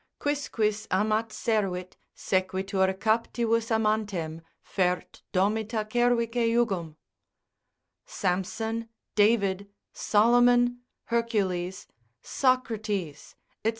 Quisquis amat servit, sequitur captivus amantem, Fert domita cervice jugum——— Samson, David, Solomon, Hercules, Socrates, &c.